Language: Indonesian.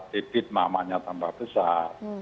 debit mamanya tambah besar